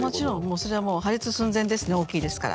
そりゃもう破裂寸前ですね大きいですから。